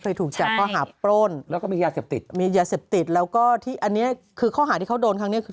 เคยถูกจับข้อหาปล้น